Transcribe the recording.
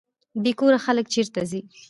بې کوره خلک چیرته ځي؟